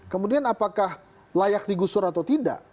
kemudian apakah layak digusur atau tidak